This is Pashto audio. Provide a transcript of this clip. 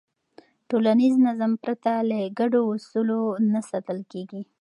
ټولنیز نظم پرته له ګډو اصولو نه ساتل کېږي.